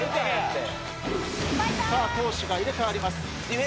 攻守が入れ替わります。